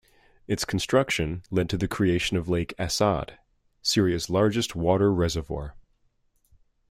Its construction led to the creation of Lake Assad, Syria's largest water reservoir.